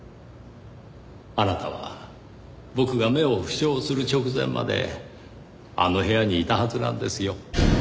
あなたは僕が目を負傷する直前まであの部屋にいたはずなんですよ。